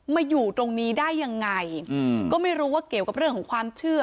อยู่ตรงนี้ได้ยังไงอืมก็ไม่รู้ว่าเกี่ยวกับเรื่องของความเชื่อ